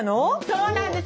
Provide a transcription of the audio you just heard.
そうなんです。